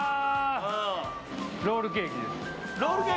ロールケーキです。